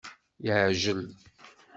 Yeɛjel.